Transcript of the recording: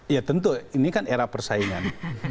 ya tentu ini kan era persaingan